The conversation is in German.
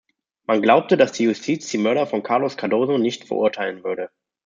Man glaubte, dass die Justiz die Mörder von Carlos Cardoso nicht verurteilen würde.